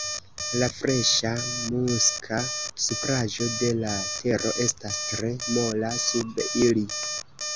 La freŝa muska supraĵo de la tero estas tre mola sub ili.